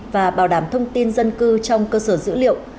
và bảo đảm thông tin dân cư trong cơ sở dữ liệu